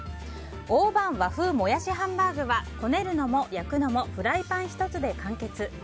大判和風もやしハンバーグはこねるのも焼くのもフライパン１つで完結！